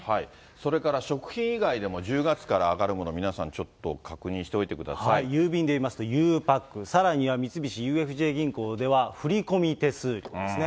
それから食品以外でも１０月から上がるもの、皆さん、ちょっ郵便で言いますと、ゆうパック、さらには三菱ＵＦＪ銀行では振り込み手数料ですね。